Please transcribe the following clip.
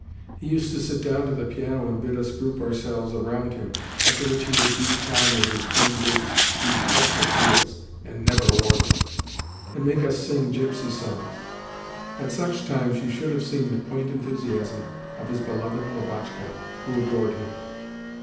He used to sit down to the piano and bid us group ourselves around him, after which he would beat time with his thin boots (he detested heels, and never wore them), and make us sing gipsy songs. At such times you should have seen the quaint enthusiasm of his beloved Lubotshka, who adored him!